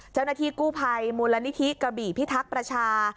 เจ้าหน้าที่กู้ภัยมูลนิธิกระบี่พิทักษ์ประชา